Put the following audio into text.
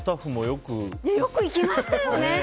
よく行きましたよね！